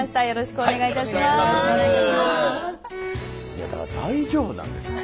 よろしくお願いします。